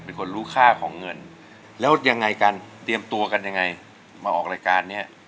เป็นคนรู้ค่าของเงินแล้วยังไงกันเตรียมตัวกันยังไงมาออกรายการเนี้ย